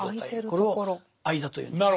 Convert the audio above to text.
これを「間」というんです。